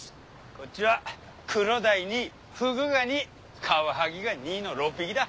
こっちはクロダイ２フグが２カワハギが２の６匹だ。